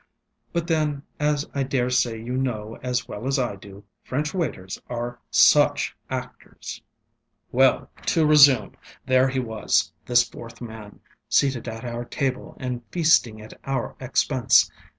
But then, as I dare say you know as well as I do, French waiters are such actors! ŌĆ£Well, to resume, there he was, this fourth man, seated at our table and feasting at our expense.